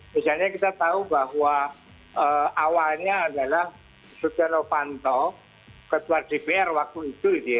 misalnya kita tahu bahwa awalnya adalah sofian opanto ketua dpr waktu itu gitu ya